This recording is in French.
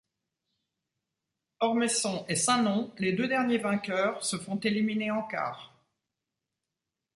Ormesson et Saint-Nom, les deux derniers vainqueurs se font éliminer en quart.